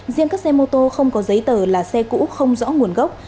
riêng các xe mô tô không có giấy tờ là xe cũ không rõ nguồn gốc